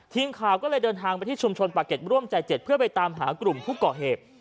ทีมข่าวก็เลยเดินทางไปที่ชุมชนปากเก็ตร่วมใจ๗เพื่อไปตามหากลุ่มผู้ก่อเหตุ